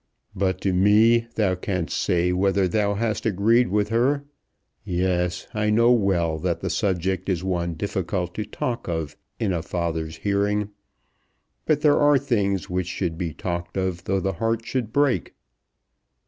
"But to me thou canst say whether thou hast agreed with her. Yes; I know well that the subject is one difficult to talk of in a father's hearing. But there are things which should be talked of, though the heart should break."